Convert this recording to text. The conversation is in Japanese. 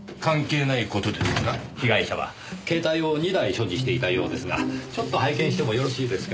被害者は携帯を２台所持していたようですがちょっと拝見してもよろしいですか？